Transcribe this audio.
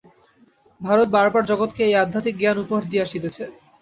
ভারত বার বার জগৎকে এই আধ্যাত্মিক জ্ঞান উপহার দিয়া আসিতেছে।